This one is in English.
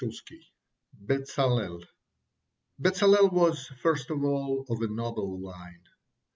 BEZALEL Bezalel was, first of all, of a noble line.